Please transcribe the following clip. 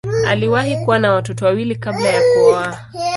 Aliwahi kuwa na watoto wawili kabla ya kuoa.